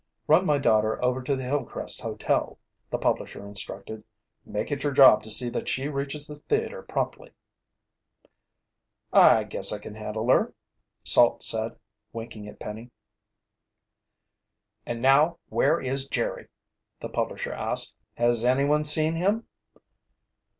"Run my daughter over to the Hillcrest Hotel," the publisher instructed. "Make it your job to see that she reaches the theater promptly." "I guess I can handle her," Salt said, winking at Penny. "And now, where is Jerry?" the publisher asked. "Has anyone seen him?"